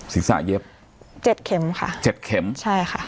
ศีรษะเย็บเจ็ดเข็มค่ะเจ็ดเข็มใช่ค่ะ